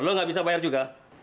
kalau lo gak bisa bayar juga